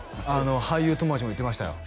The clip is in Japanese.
俳優友達も言ってましたよ